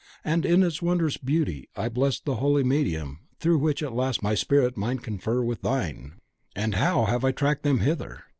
And in its wondrous beauty, I blessed the holy medium through which, at last, my spirit might confer with thine! And how have I tracked them hither?